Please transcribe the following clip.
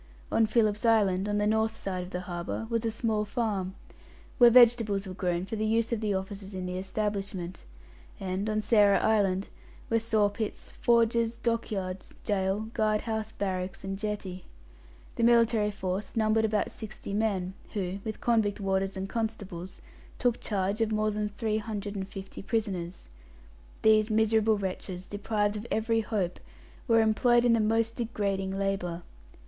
On Philip's Island, on the north side of the harbour, was a small farm, where vegetables were grown for the use of the officers of the establishment; and, on Sarah Island, were sawpits, forges, dockyards, gaol, guard house, barracks, and jetty. The military force numbered about sixty men, who, with convict warders and constables, took charge of more than three hundred and fifty prisoners. These miserable wretches, deprived of every hope, were employed in the most degrading labour.